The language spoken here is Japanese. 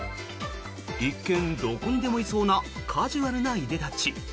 一見どこにでもいそうなカジュアルないでたち。